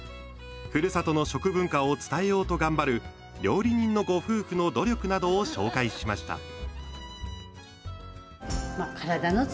ふるさとの食文化を伝えようと頑張る料理人のご夫婦の努力などを紹介しました。